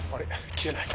消えない。